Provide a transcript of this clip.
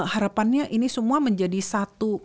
harapannya ini semua menjadi satu